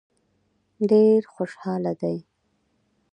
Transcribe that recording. ډېر خوشاله دي.